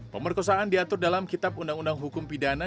pemerkosaan diatur dalam kitab undang undang hukum pidana